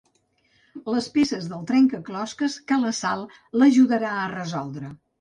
Les peces del trencaclosques que la Sal l'ajudarà a resoldre.